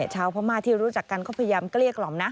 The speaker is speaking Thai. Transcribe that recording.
ชาวพม่าที่รู้จักกันก็พยายามเกลี้ยกล่อมนะ